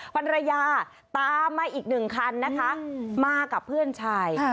ภรรยาตามมาอีกหนึ่งคันนะคะมากับเพื่อนชาย